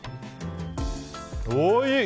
おいしい！